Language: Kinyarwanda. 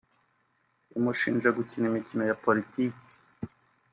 imushinja gukina imikino ya politiki